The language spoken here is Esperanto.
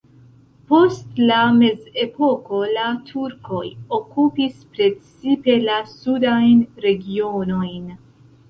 Post la mezepoko la turkoj okupis precipe la sudajn regionojn.